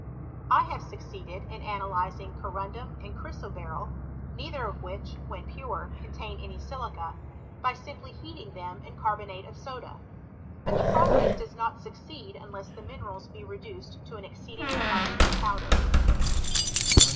I have succeeded in ansdyzing corundum and chry«* lOberjl, neither of which, when pure, contain any ailica, by simply heating them in carbonate of soda; but the process does not succeed unless the minerals be reduced to an exceedingly minute powder.